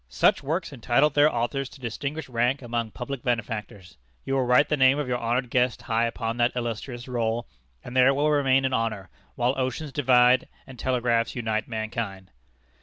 "Such works entitle their authors to distinguished rank among public benefactors. You will write the name of your honored guest high upon that illustrious roll, and there it will remain in honor, while oceans divide and telegraphs unite mankind."